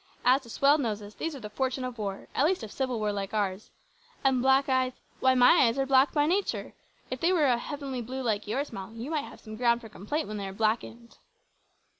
As to swelled noses, these are the fortune of war, at least of civil war like ours and black eyes, why, my eyes are black by nature. If they were of a heavenly blue like yours, Molly, you might have some ground for complaint when they are blackened."